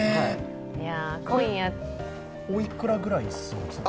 おいくらぐらいするんですか？